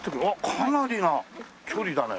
かなりな距離だね。